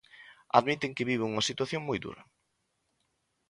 Admiten que viven unha situación moi dura.